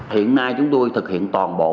hiện nay chúng tôi thực hiện toàn bộ